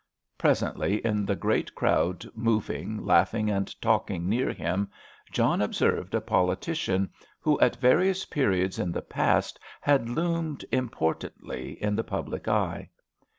Presently, in the great crowd moving, laughing and talking near him, John observed a politician who at various periods in the past had loomed importantly in the public eye.